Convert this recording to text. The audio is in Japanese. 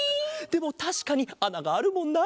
でもたしかにあながあるもんな。